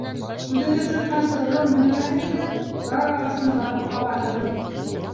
Күҙегеҙ сыҡҡансы ром һемерәһегеҙ ҙә дар ағасына барып ҡабаһығыҙ.